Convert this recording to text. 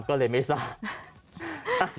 ก็เลยไม่ทราบ